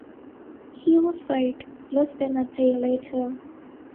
He was waived less than a day later.